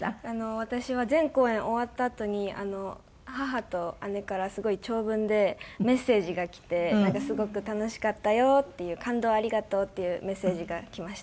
私は全公演終わったあとに母と姉からすごい長文でメッセージが来て「すごく楽しかったよ」っていう「感動をありがとう」っていうメッセージが来ました。